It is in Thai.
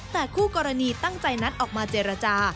แต่คู่กรณีตั้งใจนัดออกมาเจรจา